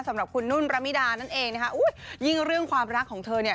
สำหรับคุณนุ่นระมิดานั่นเองนะคะอุ้ยยิ่งเรื่องความรักของเธอเนี่ย